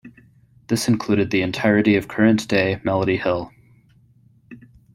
This included the entirety of current-day Melody Hill.